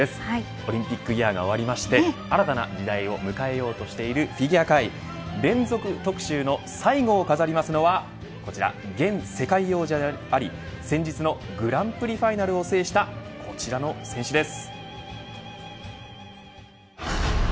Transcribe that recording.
オリンピックイヤーが終わりまして、新たな時代を迎えようとしているフィギュア界連続特集の最後を飾りますのはこちら、現世界王者であり先日のグランプリファイナルを制したこちらの選手です。